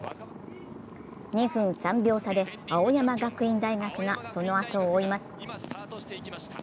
２分３秒差で青山学院大学がそのあとを追います。